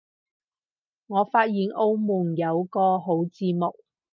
我發現澳門有個好節目